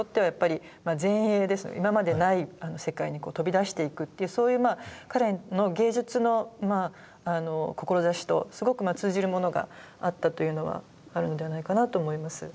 今までない世界に飛び出していくっていうそういう彼の芸術の志とすごく通じるものがあったというのはあるのではないかなと思います。